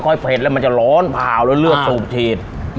ค่อยค่อยเผ็ดแล้วมันจะร้อนผาวแล้วเลือกสูบชีดอ่า